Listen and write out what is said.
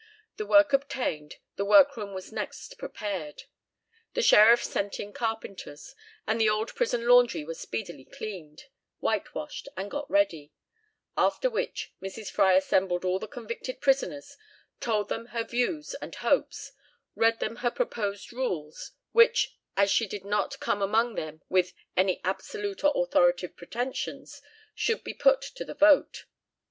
The work obtained, the work room was next prepared. The sheriffs sent in carpenters, and the old prison laundry was speedily cleaned, whitewashed, and got ready; after which Mrs. Fry assembled all the convicted prisoners, told them her views and hopes, read them her proposed rules, which, as she did not come among them with "any absolute or authoritative pretensions," should be put to the vote.